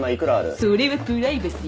それはプライバシー。